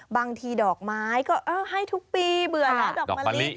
บางทีดอกไม้ก็เออให้ทุกปีเบื่อแล้วดอกมะลิ